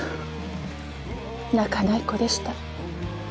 「泣かない子でした」